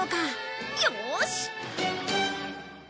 よし！